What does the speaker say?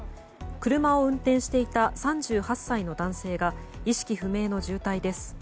車を運転していた３８歳の男性が意識不明の重体です。